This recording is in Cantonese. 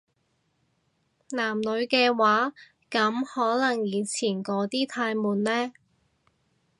男女嘅話，噉可能以前嗰啲太悶呢